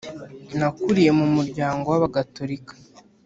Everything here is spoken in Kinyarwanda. nakuriye mu muryango w ‘abagatolika,